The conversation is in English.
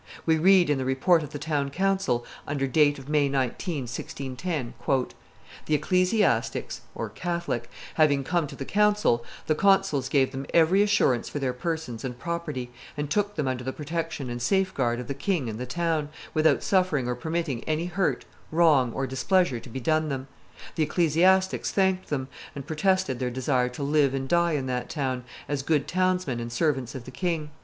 We read in the report of the town council, under date of May 19, 1610, "The ecclesiastics (Catholic) having come to the council, the consuls gave them every assurance for their persons and property, and took them under the protection and safeguard of the king and the town, without suffering or permitting any hurt, wrong, or displeasure to be done them. ... The ecclesiastics thanked them, and protested their desire to live and die in that town, as good townsmen and servants of the king